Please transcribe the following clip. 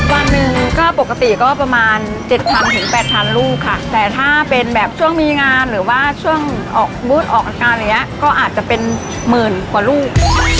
วันหนึ่งก็ปกติก็ประมาณ๗๐๐ถึง๘๐๐ลูกค่ะแต่ถ้าเป็นแบบช่วงมีงานหรือว่าช่วงออกบูธออกอาการอย่างเงี้ยก็อาจจะเป็นหมื่นกว่าลูก